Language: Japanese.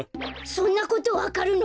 そんなことわかるの！？